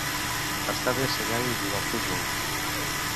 Està bé ser gai i jugar a futbol.